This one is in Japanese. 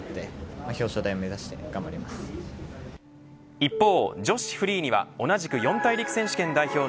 一方女子フリーには同じく四大陸選手権代表の